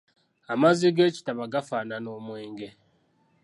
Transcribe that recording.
Amazzi g’ekitaba gafaanana omwenge.